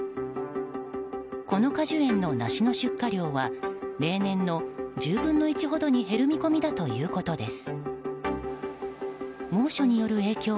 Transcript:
この果樹園の梨の出荷量は例年の１０分の１ほどに減る見込みだということです。